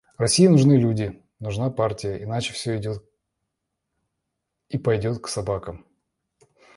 России нужны люди, нужна партия, иначе всё идет и пойдет к собакам.